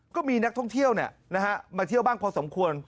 ก็มีนักท่องเที่ยวมาเที่ยวบ้างพอสมควร